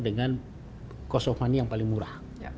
dengan cost of money yang paling murah